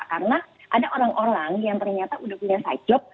karena ada orang orang yang ternyata udah punya sadjob